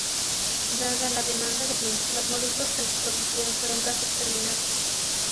Dada la demanda del tinte, los moluscos que los producían fueron casi exterminados.